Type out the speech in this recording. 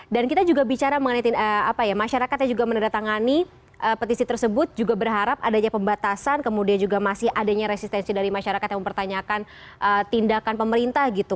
dan kita juga bicara mengenai apa ya masyarakat yang juga meneratangani petisi tersebut juga berharap adanya pembatasan kemudian juga masih adanya resistensi dari masyarakat yang mempertanyakan tindakan pemerintah gitu